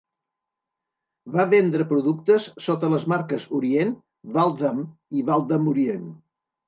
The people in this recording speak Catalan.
Va vendre productes sota les marques Orient, Waltham i Waltham-Orient.